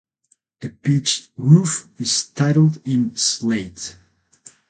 The pitched roof is tiled in slate.